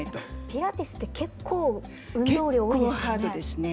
ピラティスって結構運動量多いですよね。